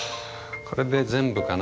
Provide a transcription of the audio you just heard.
これで全部かな。